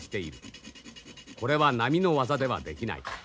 これは並の技ではできない。